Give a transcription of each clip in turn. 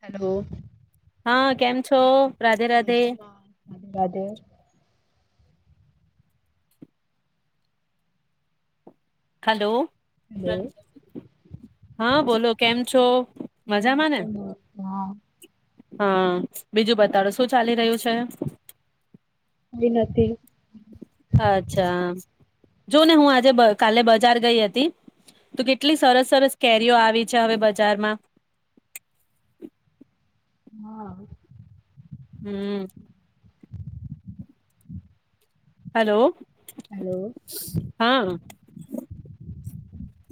Hello. હા, કેમ છો? રાધે રાધે મજામાં, રાધે રાધે. હલો. હેલો હા, બોલો કેમ છો? મજામાંને? હા, બીજું બતાડો શું ચાલી રહ્યું છે? કોઈ નથી અચ્છા જો ને હું આજે કાલે બજાર ગઈ હતી તો કેટલી સરસ સરસ કેરીઓ આવી છે હવે બજારમાં. હા. હમ. હલો! હેલો હા.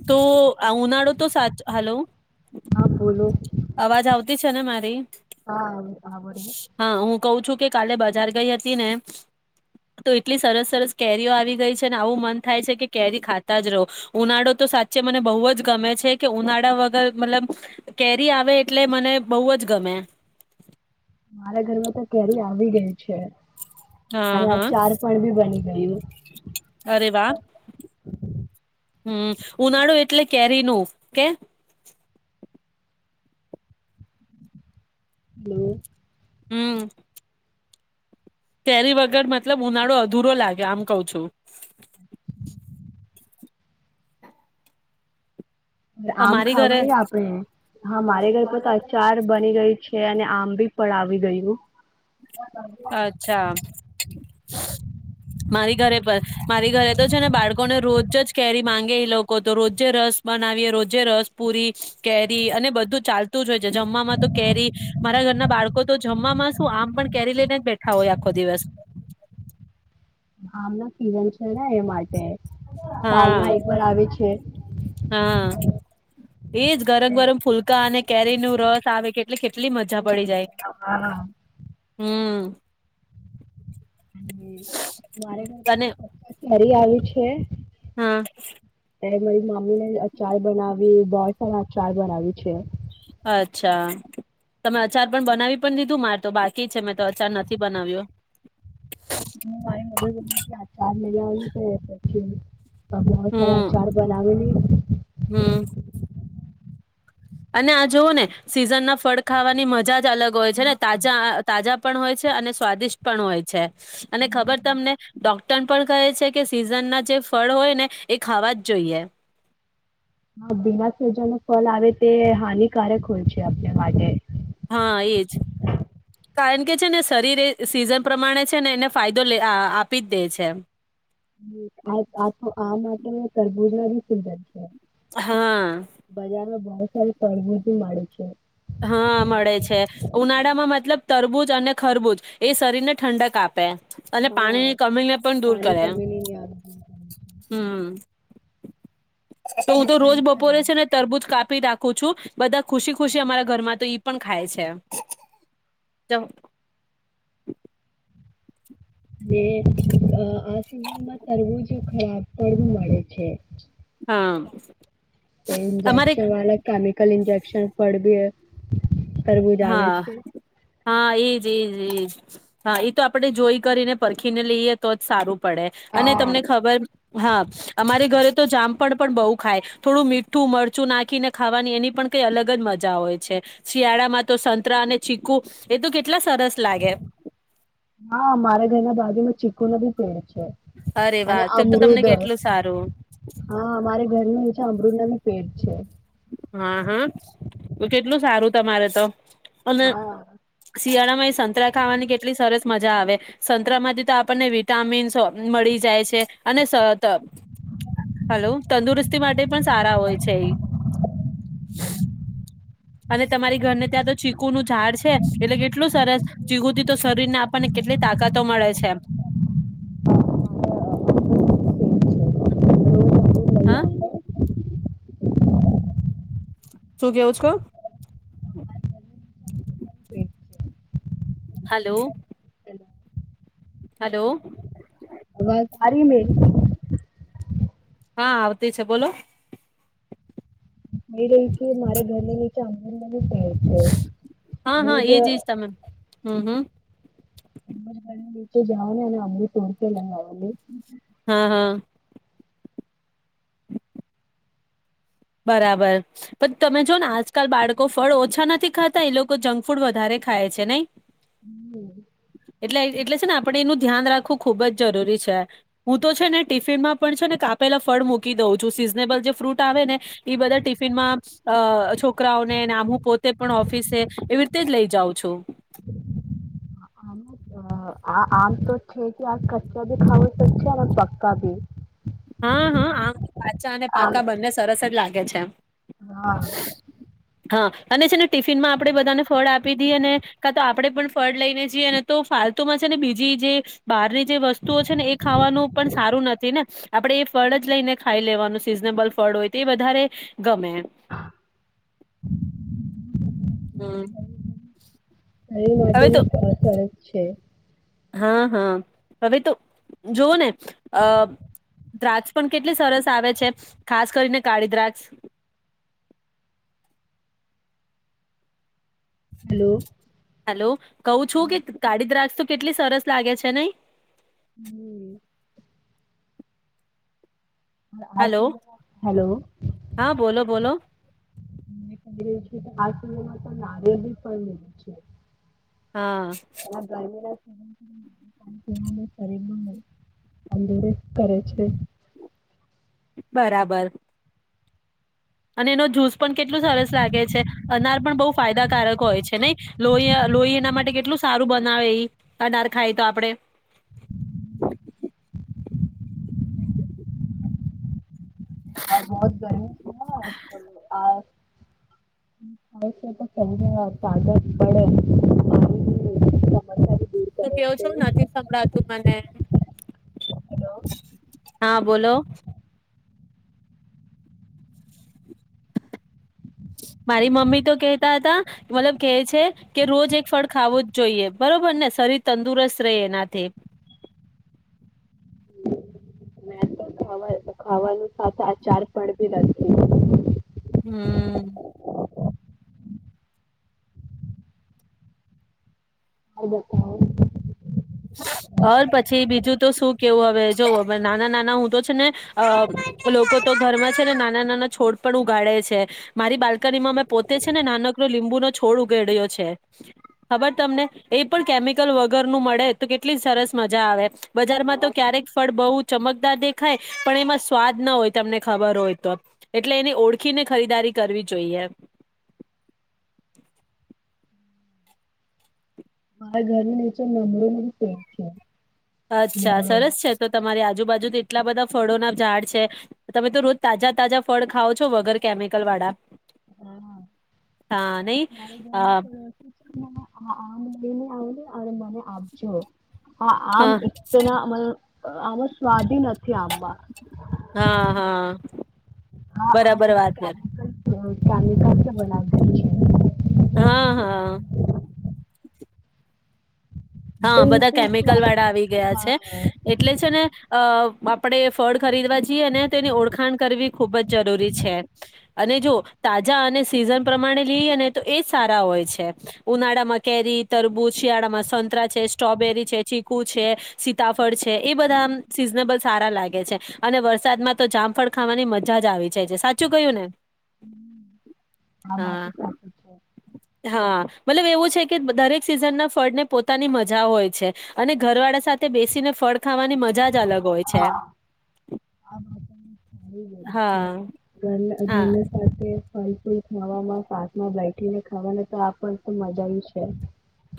તો આ ઉનાળો તો સાચો, હાલો! હા બોલો! અવાજ આવતી છે ને મારી? હા હ બોલો. કહ છું કે કાલે બજાર ગઈ હતી ને તો એટલી સરસ સરસ કેરીઓ આવી ગઈ છે, ને આવું મન થાય છે કે કેરી ખાતા જ રહો ઉનાળો તો સાચે મને બહુ જ ગમે છે, કે ઉનાળા વગર મતલબ કેરી કેરી આવે એટલે મને બહુ જ ગમે. મારા ઘરમાં પણ કેરી આવી ગઈ છે. હા અને હા આચાર પણ ભી બની ગયું. અરે વાહ હમ ઉનાળુ એટલે કેરીનું કે હલો! હું. કેરી વગર મતલબ ઉનાળો અધુરો લાગે આમ કઉ છું. આમ તમારી ઘરે ખાવાની આપડે. હા મારે ઘરે પર આચાર બની ગયું છે અને આમ બી પણ આવી ગયું. અચ્છા. મારી ઘરે પર મારી ઘરે તો છે ને બાળકોને રોજ જ કેરી માંગે લોકો તો રોજે રસ બનાવીએ રોજે રસ પુરી કેરી અને બધું ચાલતું જ હોય છે, જમવાવામાં તો કેરી મારા ઘરના બાળકો તો જમવામાં શું આમ પણ કેરી લે બેઠા હોય આખો દિવસ. આમ પીવાની છે. [unintelligible] એ માટે. સાલમાં હા એક વાર આવે છે. હા એજ ગરમ-ગરમ ફુલકા અને કેરી નું રસ આવે કે એટલે કેટલી મજા પડી જાય. હા, હ. મારે ઘર તો કેરી આવી છે. છે. હા. એ મારી મમ્મી ને અચાર બનાવી બોહ સારા અચાર બનાવી છે. અચ્છા, તમે અચાર પણ બનાવી પન દીધું માર તો બાકી છે મેં તો અચાર નથી બનાવ્યો. હું મારી મમ્મી બોલી કે આચાર ડિલિવરી છે પછી પણ બહોત સારા હમ અચાર બનાવેલી હમ અને આ જોવોને સિઝનના ફળ ખાવાની મજા જ અલગ હોય છે ને હા, તાજા આઅ તાજા પણ હોય છે અને સ્વાદિષ્ટ પણ હોય છે. અને ખબર તમને ડોક તન પલ કહે છે કે સિઝનના જે ફળ હોય ને એ ખાવા જ જોઈએ. હ, બીમાર સેજાનું ફલ આવે તે હાનિકારક હોય છે આપને માટે. હા, એજ કારણ કે છે ને શરીર એ સીઝન પ્રમાણે છે ને એને ફાયદો લે આ આપી જ દે છે. હમ, [unintelligible] આમ જ [unintelligible] તરબૂજ માબી સિઝન છે. હા. બજારમાં સારી તરબૂજો મળે છે. હા, મળે છે. ઉનાળામાં મતલબ તરબૂજ અને ખરબૂજ એ શરીરને ઠંડક આપે. અને હા પાણીની કમીને પણ દૂર પાણી કરે. કમીની ની આવતી ને હમ. તો હું તો રોજ બપોરે છે ને તરબૂજ કાપ પી દાખું છું. બધા ખુશી ખુશી અમારા ઘરમાં તો ઈ પણ ખાય છે. બે અ અ આ સિઝનમાં તરબૂજ ખરાબ પડવું મળે છે. હા. અમારે ઈન્જેકશન વાલા કેમિકલ ઈન્જેક [unintelligible] હા હા એ જી જી હા ઈ તો આપડે જોઈ કરીને પરખીને લઈએ તો જ સારું. પડે. અને તમને ખબર હા અમારે ઘરે તો જામ પણ પણ બહુ ખાય. થોડું મીઠું મરચું નાખીને ખાવાની એની પણ કઈ અલગ જ મજા હોય છે. શિયાળામાં તો સંતરા અને ચીકુ એ તો કેટ હા, મારા ઘરના બાજુમાં ચીકુના બી પેડ છે. છે. અરે વાહ અને તો તો તમને અમૃદ. કેટલું સારું હા, અમારે ઘરનું છે અમૃદ ના નું પેડ છે. હા હા તો કેટલું સારું તમારે તો. અને [inaudible] શિયાળામાં એ સંતરા ખાવાની કેટલી સરસ મજા આવે સંતરામાંથી તો આપણને વિટામિન્સ મળી જાય છે અને [unintelligible] હલો તંદુરસ્તી માટે પણ સારા હોય છે એ [inaudible] અને તમારી ઘરને ત્યાં તો ચીકુ નું ઝાડ છે એટલે કેટલું સરસ ચીકુ થી તો સરસ આપને કેટલી તાકતો મળે છે. રોજ અમૃદ લઈ હા. આવીએ. શું કેવું છે કો. હલો હલો અવાજ. [inaudible] હા આવતી છે બોલો મે રહી કે મારે ઘર ની નીચે હા હા એજ એજ તમે હમ હમ [unintelligible] [unintelligible] તું જઓ ને [unintelligible] હા હા બરાબર પણ તમે જો ને આજકાલ બાળકો ફળ ઓછા નથી ખાતા એ લોકો જંક ફૂડ વધારે ખાય છે નઈ હમ્મ [inaudible] એટલે એટલે ને આપણે એનું ધ્યાન રાખવું ખુબ જ જરૂરી છે. હું તો છે ને ટિફિનમાં પણ છે ને, કાપેલા ફળ મૂકી દઉં છું. સિઝનેબલ જે ફ્રૂટ આવે ને બધા ટિફિનમાં અ છોકરાઓને આ હું પોતે પણ ઓફિસે એવી રીતે જ લઈ જાઉં છું. આમ આ તો છે કે આ કચ્ચા ભી ખાાવા તો કચ્ચા ને પક્કા ભી. હા-હા આમ અચાનક આમ આવતા બંને સરસ જ લાગે કે છે એમ હા હા અને છે ને ટિફિન માં આપણે બધાને ફળ આપી દઈએ, ને કા તો આપણે પણ ફળ લઈને જીએ ને તો ફાલતુમાં છે ને બીજી જે બહારની જે વસ્તુઓ છે ને એ ખાવાનું પણ સારું નથી. ને આપડણે એ ફળ જ લઈને ખાઈ લેવાનું સિઝનેબલ ફળ હોય તો એ વધારે ગમે [inaudible] એ માટે હવે તો [unintelligible] સરસ છે. હા-હા હવે તો જોવો ને અ દ્રાક્ષ પણ કેટલી સરસ આવે છે ખાસ કરીને કાળી દ્રાક્ષ હેલો હલો કહું છું કે કાળી દ્રાક્ષ કેટલી સરસ લાગે છે નહી [inaudible] હલો [unintelligible] હલો હા બોલો બોલો આ [unintelligible] લેવું છે. હા. અને ગરમીના શરીરમાં તંદુરસ્ત કરે છે. બરાબર. અને એનો જૂસ પણ કેટલું સરસ લાગે છે. અનાર પણ બહુ ફાયદાકારક હોય છે નઈ, લોહી લોહી એના માટે કેટલું સારું બનાવે એ અનાર ખાય તો આપણે. હા બહત ગરમી છે આ. શે [inaudible] તું કેવો છો નથી સંભળાતું મને. હેલો હા બોલો. મારી મમ્મી તો કેહેતા હતા મતલબ કેહે છે કે, રોજ એક ફળ ખાવું જ જોઈએ. બરોબર ને શરીર તંદુરસ્ત રહે એનાથી. મે તો ખવા ખાવાનું સાથે આચાર પણ ભી નથીખી. હમ્મ. [inaudible] હ પછી બીજું તો શું કેવું હવે જો નાના નાના હું તો છે ને લોકો તો ઘરમાં છે ને નાના નાના છોડ પણ ઉગાડે છે. મારી બાલ્કનીમાં મેં પોતે છે ને, નાનકડો લીંબુનો છોડ ઉગાડ્યો છે ખબર તમને એ પણ કેમિકલ વગરનું મળે તો કે એટલી સરસ મજા આવે બજારમાં તો અ, ક્યારેક ફળ બહુ ચમકદાર દેખાય પણ એમાં સ્વાદ ના હોય, તમને ખબર હોય તો એટલે એને ઓળખીને ખરીદારી કરવી જોઈએ. મારા ઘરની નીચે નમરોરી સીડ છે. અચ્છા લીમડો સરસ છે તો તમારી આજુબાજુ. એટલા બધા ફળો ના ઝાડ છે. તમે તો રોજ તાજા તાજા ફળ ખાવ છો વગર કેમિકલ વાળા. હા નહી મા ગ હા તો. હા આ મને આવ મને આપજો. હા આમ એકના આમાં સ્વાદ નથી આમમાં. હા હા હા હા પ બરાબર વાત કર કેમિકલ. તમેય બનાવો છે. હા હા. હા બધા બિલકુલ કેમિકલ સ્વાદ વાળા આવી ગયા છે હા એટલે છે ને અ. આપણેે ફળ ખરીદવા જઈએ ને તે એની ઓળખાણ કરવી ખુબ જ જરૂરી છે, અને જો તાજા અને સીઝન પ્રમાણે લઈએ ને તો એજ સારા હોય છે ઉનાળામાં કેરી, તરબૂજ શિયાળામાં સંતરા છે સ્ટ્રોબેરી છે, ચીકુ છે, સીતાફળ છે એ બધા આમ સિઝનેબલ સારા લાગે છે અને વરસાદમાં તો જામફળ ખાવાની મજા જ આવી જાય છે સાચું કયું ને. હ આ વાત હા સાચી છે. હા મતલબ એવું છે કે દરેક સીઝનના ફળ ને પોત પોતાની મજા હોય છે અને ઘરવાળા સાથે બેસીને ફળ ખાવાની મજા જ અલગ હોય છે. હમ. છે હા ઘર હા ઘરના સાથે ફલ ફૂલ ખાવામાં સાતમાં બેઠી ને ખાવાનું તો આ તો મજા છે.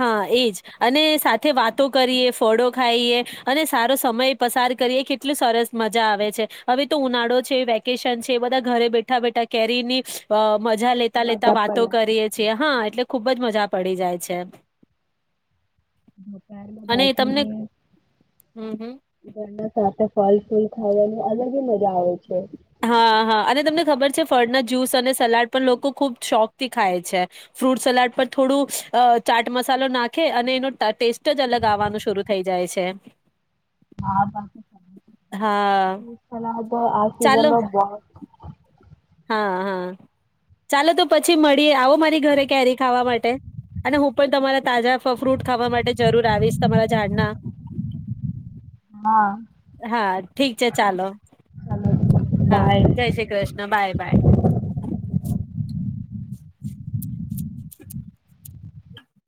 હા એજ અને સાથે વાતો કરીએ ફળો ખાઈએ અને સારો સમય પસાર કરીએ કેટલું સરસ મજા આવે છે હવે તો ઉનાળો છે વેકેશન છે બધા ઘરે બેઠા બેઠા કેરીની અ મજા લેતા લેતા વાતો કરીએ છીએ હા એટલે ખુબ જ મજા પડી જાય છે. કારમાં અને બાયક તમને ની. હમ હમ [unintelligible] ફૂલ ખાવાની અલગ એ મજા આવે છે. હા હા અને તમને ખબર છે ફળના જ્યુસ અને સલાડ પણ લોકો ખૂબ શોખ થી ખાય છે ફ્રૂટ સલાડ પર થોડું ચાટ મસાલો નાખે અને એનો ટેસ્ટ જ અલગ આવવાનું શરૂ થઈ જાય છે. તે હા આ તો હા [inaudible] કેજ ચાલો બ [unintelligible] હા હા ચાલો તો પછી મળી આવો મારી ઘરે કેરી ખાવા માટે અને હું પણ તમારા તાજા ફ ફ્રૂટ ખાવા માટે જરૂર આવીશ તમારા ઝાડના હા. હા ઠીક છે ચાલો, ચલો હા બાય જય શ્રી કૃષ્ણ બાય બાય.